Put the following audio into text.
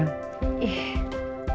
kangen atau ada apa